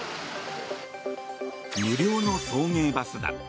無料の送迎バスだ。